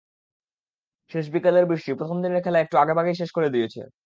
শেষ বিকেলের বৃষ্টি প্রথম দিনের খেলা একটু আগেভাগেই শেষ করে দিয়েছে।